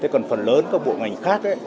còn phần lớn các bộ ngành khác